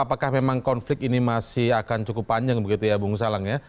apakah memang konflik ini masih akan cukup panjang begitu ya bung salang ya